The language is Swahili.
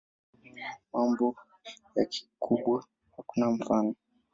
Watoto wadogo wana mambo ya kikubwa hakuna mfano.